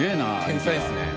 天才ですね。